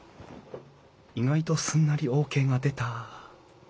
意外とすんなりＯＫが出た。